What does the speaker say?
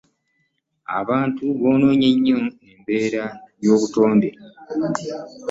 Abantu bononye nnyo embeera yobutonde.